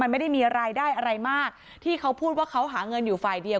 มันไม่ได้มีรายได้อะไรมากที่เขาพูดว่าเขาหาเงินอยู่ฝ่ายเดียว